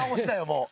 もう。